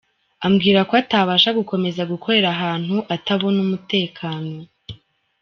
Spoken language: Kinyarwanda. Ambwira ko atabasha gukomeza gukorera ahantu atabona umutekano.